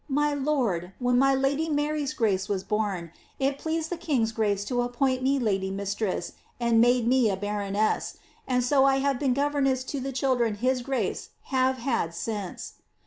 My lord, when my lady Mary's Grace was born, it pleased the king's grace to appoint me lady mistress and made me a baroness, and so I have been governess to the children his grace have had since.